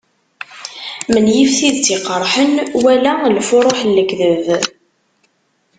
Menyif tidet iqerḥen, wala lfuruḥ n lekdeb.